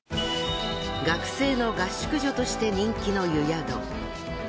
学生の合宿所として人気の湯宿。